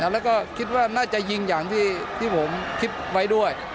แล้วก็คิดว่าน่าจะยิงอย่างที่ผมคิดไว้ด้วย